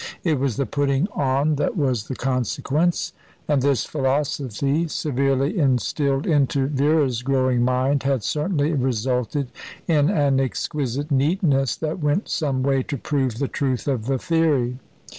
It was the putting on that was the consequence; and this philosophy, severely instilled into Vera's growing mind, had certainly resulted in an exquisite neatness that went some way to prove the truth of the theory.